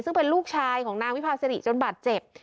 ซึ่งเป็นลูกชายของนางวิพาสิริจนบาดเจ็บ